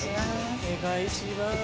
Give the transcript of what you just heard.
お願いします。